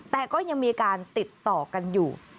แต่ก็ยังมีการติดต่อกันอยู่